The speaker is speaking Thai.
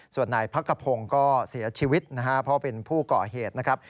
ส่วนหน้าพระกระพงษ์ก็เสียชีวิตเพราะเป็นผู้ก่อเหตุนะครับ